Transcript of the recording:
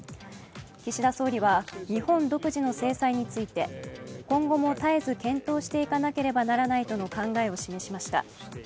岸田総理は日本独自の制裁について、今後も絶えず検討していかなければならないとの考えを示しました。